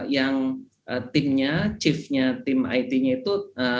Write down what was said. yang timnya chiefnya tim it nya itu